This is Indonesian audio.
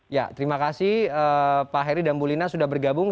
ya terima kasih pak heri dan bulina sudah bergabung